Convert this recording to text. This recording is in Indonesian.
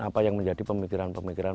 apa yang menjadi pemikiran pemikiran